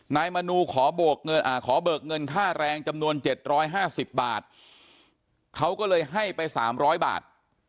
มนูขอเบิกเงินค่าแรงจำนวน๗๕๐บาทเขาก็เลยให้ไป๓๐๐บาท